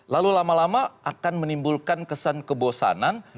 lalu lama lama akan menimbulkan kesan kebosanan